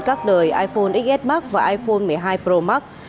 các đời iphone xs max và iphone một mươi hai pro max